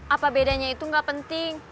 apa bedanya itu gak penting